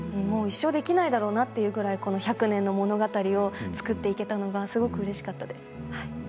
一生できないだろうなと思うぐらい１００年の物語を作っていけたことはうれしかったです。